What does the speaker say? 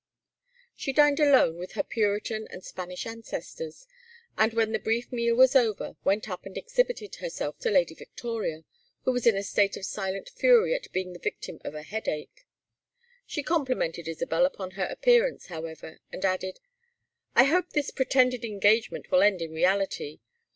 She dined alone with her Puritan and Spanish ancestors, and when the brief meal was over, went up and exhibited herself to Lady Victoria, who was in a state of silent fury at being the victim of a headache. She complimented Isabel upon her appearance, however, and added: "I hope this pretended engagement will end in reality.